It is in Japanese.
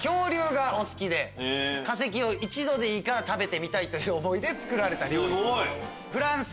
化石一度でいいから食べてみたいという思いで作られた料理。